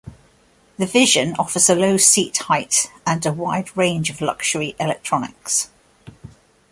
The Vision offers a low seat height and a wide range of luxury electronics.